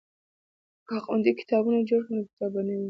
که خویندې کتابتون جوړ کړي نو کتاب به نه وي ورک.